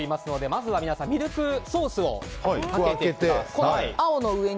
まずはミルクソースをかけてください。